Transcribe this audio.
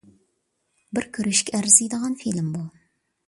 بىر كۆرۈشكە ئەرزىيدىغان فىلىم بۇ.